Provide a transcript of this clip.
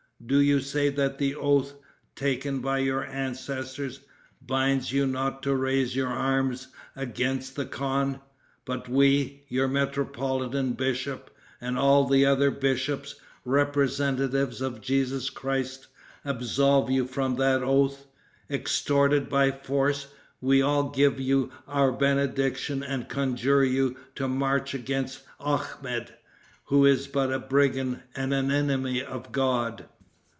Do you say that the oath, taken by your ancestors, binds you not to raise your arms against the khan? But we, your metropolitan bishop, and all the other bishops, representatives of Jesus Christ, absolve you from that oath, extorted by force; we all give you our benediction, and conjure you to march against Akhmet, who is but a brigand and an enemy of God.